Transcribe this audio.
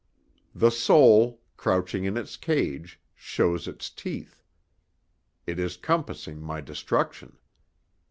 The soul, Crouching in its cage, shows its teeth. It is compassing my destruction.